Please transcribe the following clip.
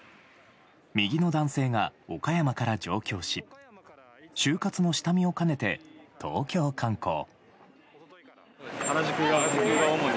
右の男性が、岡山から上京し就活の下見を兼ねて東京観光。